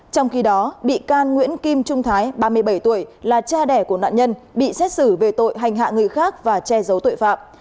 trong khi đó bị can nguyễn kim trung thái ba mươi bảy tuổi là cha đẻ của nạn nhân bị xét xử về tội hành hạ người khác và che giấu tội phạm